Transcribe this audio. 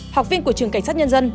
học viên của trường cảnh sát nhân dân